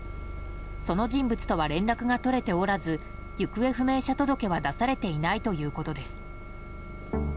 その人物とは連絡が取れておらず行方不明者届は出されていないということです。